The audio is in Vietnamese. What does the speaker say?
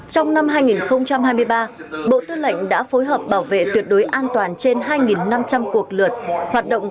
trong năm hai nghìn hai mươi ba bộ tư lệnh đã phối hợp bảo vệ tuyệt đối an toàn trên hai năm trăm linh cuộc lượt hoạt động